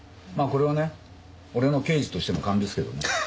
まあこれはね俺の刑事としての勘ですけどね。